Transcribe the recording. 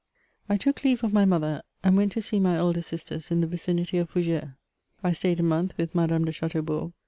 1 TOOK leave of my mother, and went to see my elder sisters in the vicinity of Foug^res. I stayed a month with Madame de Chateaubourg.